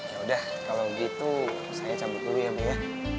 yaudah kalo gitu saya cabut dulu ya be ya